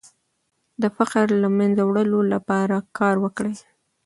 د فقر د له منځه وړلو لپاره کار وکړئ.